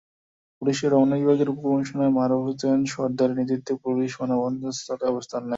পুলিশের রমনা বিভাগের উপকমিশনার মারুফ হোসেন সরদারের নেতৃত্বে পুলিশ মানববন্ধনস্থলে অবস্থান নেয়।